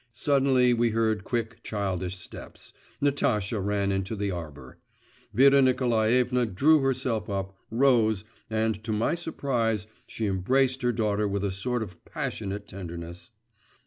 Suddenly we heard quick, childish steps; Natasha ran into the arbour. Vera Nikolaevna drew herself up, rose, and to my surprise she embraced her daughter with a sort of passionate tenderness.